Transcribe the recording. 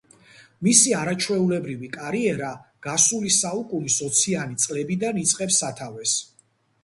მისი არაჩვეულებრივი კარიერა, გასული საუკუნის ოციან წლებიდან იწყებს სათავეს.